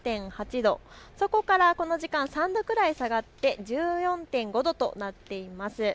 そこからこの時間、３度くらい下がって１４．５度となっています。